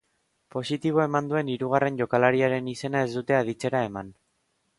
Positibo eman duen hirugarren jokalariaren izena ez dute aditzera eman.